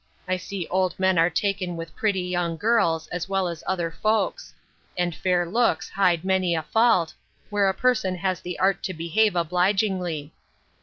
I see old men are taken with pretty young girls, as well as other folks; and fair looks hide many a fault, where a person has the art to behave obligingly.